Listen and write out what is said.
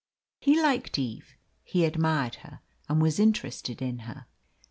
He liked Eve, he admired her, and was interested in her.